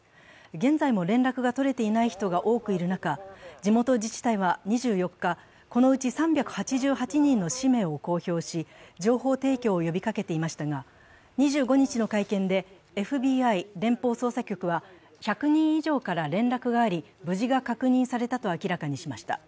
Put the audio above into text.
現在も連絡が取れていない人が多くいる中、地元自治体は２４日、このうち３８８人の氏名を公表し、情報提供を呼びかけていましたが、２５日の会見で、ＦＢＩ＝連邦捜査局は、１００人以上から連絡があり、無事が確認されたと明らかにしました。